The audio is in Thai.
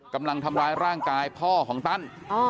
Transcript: กำลังทำร้ายร่างกายพ่อของตั้น